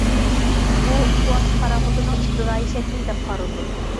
ئۇ سۇ ئاستى پاراخوتىنىڭ ئىپتىدائىي شەكلى دەپ قارىلىدۇ.